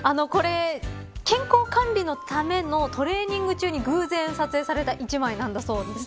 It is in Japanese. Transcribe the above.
健康管理のためのトレーニング中に偶然撮影された一枚だそうです。